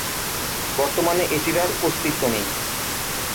বর্তমানে এটির আর অস্তিত্ব নেই।